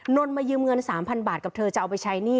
นนมายืมเงิน๓๐๐บาทกับเธอจะเอาไปใช้หนี้